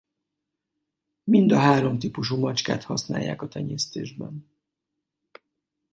Mind a három típusú macskát használják a tenyésztésben.